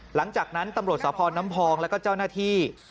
หลังจากนั้นตำรวจสพน้ำพองแล้วก็เจ้าหน้าที่